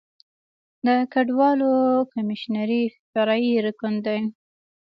د کډوالو کمیشنري فرعي رکن دی.